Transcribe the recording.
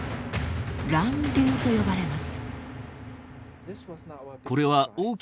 「乱流」と呼ばれます。